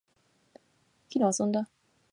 昨日遊んだ